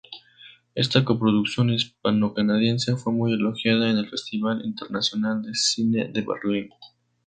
Esta coproducción hispano-canadiense fue muy elogiada en el Festival Internacional de Cine de Berlín.